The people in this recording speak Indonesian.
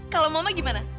kalau mama gimana